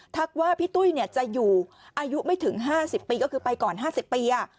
ว่าพี่ตุ้ยจะอยู่อายุไม่ถึง๕๐ปีก็คือไปก่อน๕๐ปี